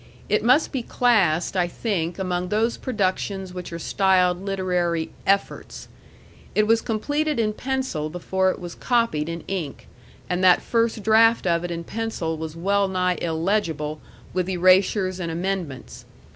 It must be classed, I think, among those productions which are styled literary EFFORTS. It was completed in pencil before it was copied in ink; and that first draft of it in pencil was well nigh illegible with erasures and amendments.